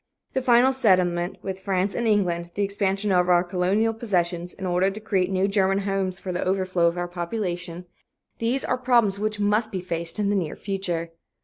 The final settlement with France and England, the expansion of our colonial possessions, in order to create new German homes for the overflow of our population these are problems which must be faced in the near future."